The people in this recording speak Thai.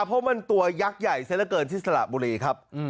เพราะมันตัวยักษ์ใหญ่ซะละเกินที่สระบุรีครับ